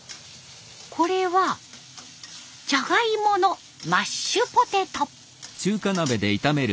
これはジャガイモのマッシュポテト。